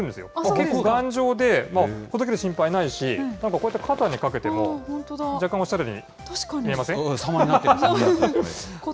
結構頑丈で、ほどける心配ないし、なんかこうやって肩にかけても、若干おしゃ様になってる。